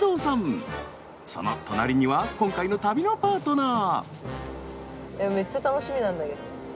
その隣には今回の旅のパートナー。